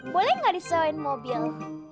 boleh nggak disewain mobil